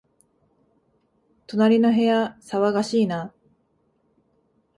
隣の部屋、騒がしいな